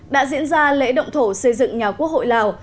đã diễn ra lễ động thổ xây dựng nhà quốc hội lào